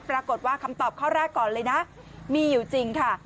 ประกอบคำตอบข้อแรกก่อนเลยนะมีอยู่จริงค่ะ